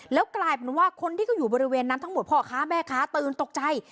แล้วกลายเป็นว่าคนที่เขาอยู่บริเวณนั้นทั้งหมดพ่อค้าแม่ค้าตื่นตกใจ